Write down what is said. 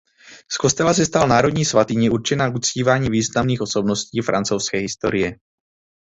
Z kostela se stala národní svatyně určená k uctívání významných osobností francouzské historie.